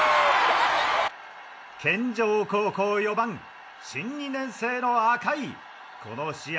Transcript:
健丈高校４番新２年生の赤井この試合